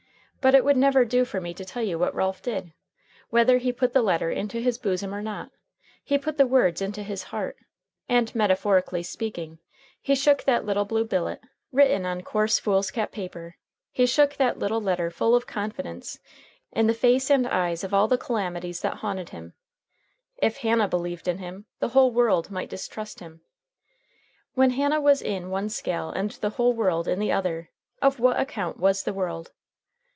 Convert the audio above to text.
But it would never do for me to tell you what Ralph did. Whether he put the letter into his bosom or not, he put the words into his heart, and, metaphorically speaking, he shook that little blue billet, written on coarse foolscap paper he shook that little letter full of confidence, in the face and eyes of all the calamities that haunted him. If Hannah believed in him, the whole world might distrust him. When Hannah was in one scale and the whole world in the other, of what account was the world?